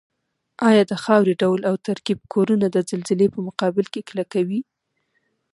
ایا د خاورې ډول او ترکیب کورنه د زلزلې په مقابل کې کلکوي؟